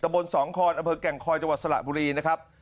บนสองคอนอำเภอแก่งคอยจังหวัดสระบุรีนะครับ